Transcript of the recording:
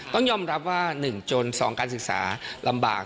ต้องยอมรับว่าหนึ่งจนสองการศึกษาลำบาก